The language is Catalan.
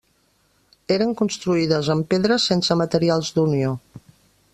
Eren construïdes amb pedres sense materials d'unió.